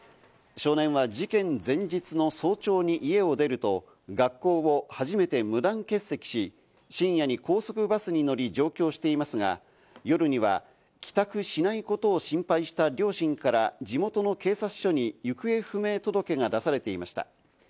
少年は事件前日の早朝に家を出ると、学校を初めて無断欠席し、深夜に高速バスに乗り、上京していますが、夜には帰宅しないことを心配した両親から地元の警察署に行方不明届が出されていました。